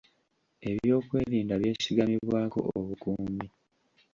Eby'okwerinda byesigamibwako obukuumi.